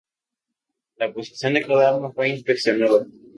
La posición de cada arma fue inspeccionada.